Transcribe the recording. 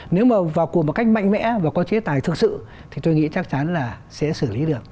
nếu mà vào cuộc một cách mạnh mẽ và có chế tài thực sự thì tôi nghĩ chắc chắn là sẽ xử lý được